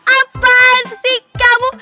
apaan sih kamu